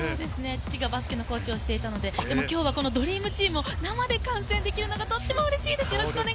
父がバスケのコーチをしていたので、今日はこのドリームチームを生で観戦できるのはとっても楽しみです。